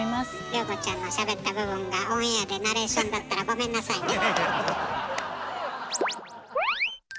涼子ちゃんのしゃべった部分がオンエアでナレーションだったらごめんなさいね。